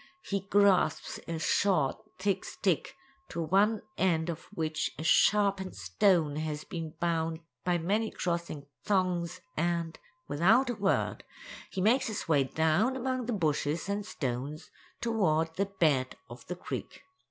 He grasps a short, thick stick, to one end of which a sharpened stone has been bound by many crossing thongs, and, without a word, he makes his way down among the bushes and stones toward the bed of the creek.